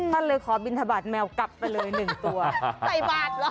ก็เลยขอบิณฑบาทแมวกลับไปเลยหนึ่งตัว